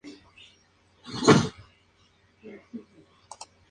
Sin embargo, Spider-Man siempre se las arregló para derrotar a cada robot alternativamente.